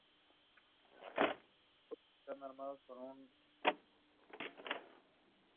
Crece en terrenos arenosos gracias a un sistema de raíz muy profundo.